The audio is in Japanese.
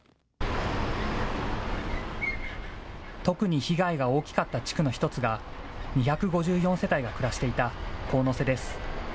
特に被害が大きかった地区の一つが、２５４世帯が暮らしていた神瀬です。